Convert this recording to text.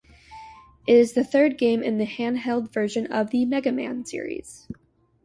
It is the third game in the handheld version of the "Mega Man" series.